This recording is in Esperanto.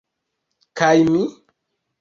Kaj mi